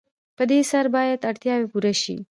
په دې سره باید اړتیاوې پوره شي.